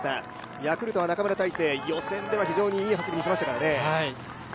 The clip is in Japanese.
ヤクルトは中村大聖予選では非常にいい走りを見せましたからね。